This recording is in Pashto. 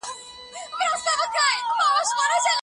افغانستان له نړیوالو شریکانو سره پر وخت همږغي نه کوي.